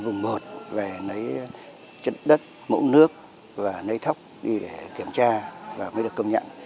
vùng một về lấy chất đất mẫu nước và lấy thóc đi để kiểm tra và mới được công nhận